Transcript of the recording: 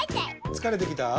つかれてきた？